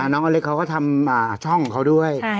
น้องอเล็กเขาก็ทำช่องของเขาด้วย